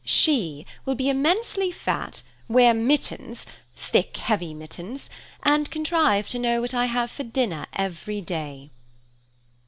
"She will be immensely fat, wear mittens–thick, heavy mittens–and contrive to know what I have for dinner every day."